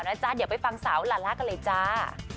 จ๊ะเดี๋ยวไปฟังสาวลาล่ากันเลยจ้า